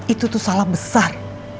itu tuh salah besar